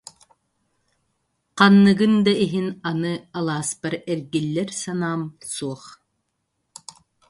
Ханныгын да иһин аны алааспар эргиллэр санаам суох